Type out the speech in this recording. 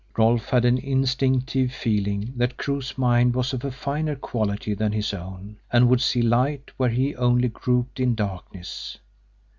Rolfe had an instinctive feeling that Crewe's mind was of finer quality than his own, and would see light where he only groped in darkness.